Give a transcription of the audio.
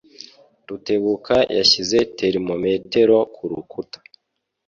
Rutebuka yashyize termometero kurukuta